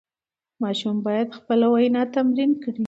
ماشوم باید خپله وینا تمرین کړي.